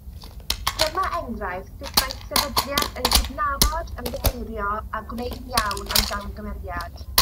Dyma enghraifft sut mae sefydliad yn cydnabod, ymddiheuro a gwneud yn iawn am gamgymeriad.